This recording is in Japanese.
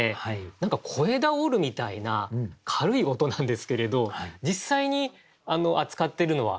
何か小枝を折るみたいな軽い音なんですけれど実際に扱ってるのは案山子であると。